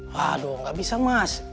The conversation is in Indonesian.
waduh gak bisa mas